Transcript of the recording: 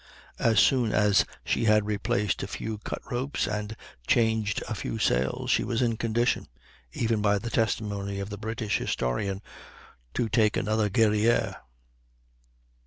As soon as she had replaced a few cut ropes and changed a few sails, she was in condition, even by the testimony of the British historian, to take another Guerrière.